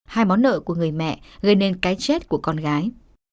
hai món nợ của người mẹ gây nên cái chết của con gái